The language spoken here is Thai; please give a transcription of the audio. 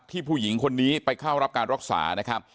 ผู้หญิงคนนี้ไปเข้ารับการรักษานะครับ